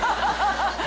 ハハハ